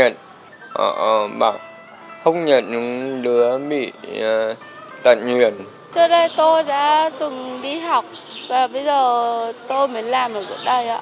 tôi đã từng đi học và bây giờ tôi mới làm được bữa đầy